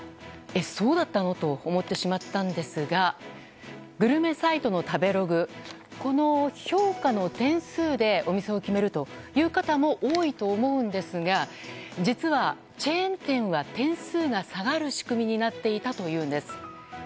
え、そうだったの？と思ってしまったんですがグルメサイトの食べログこの評価の点数でお店を決めるという方も多いと思うんですが実はチェーン店は点数が下がる仕組みになっていたというんです。